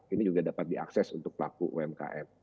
ini juga dapat diakses untuk pelaku umkm